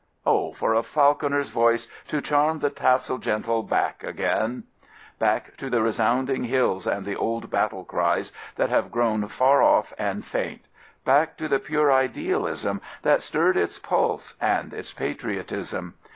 Oh ioT a falconer's voice To charm the tassel gentle back again — back to the resounding hills and the old battle cries that have grown far off and faint, back to the pure idealism that stirred its pulse and its patriotism.